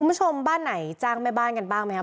บ้านไหนจ้างแม่บ้านกันบ้างไหมครับ